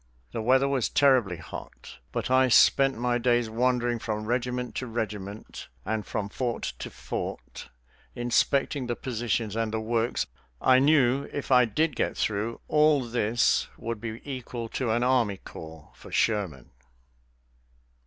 The weather was terribly hot, but I spent my days wandering from regiment to regiment and from fort to fort, inspecting the positions and the works. I knew if I did get through, all this would be equal to any army corps for Sherman.